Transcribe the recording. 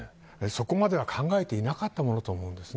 そこまでは考えていなかったものと思われます。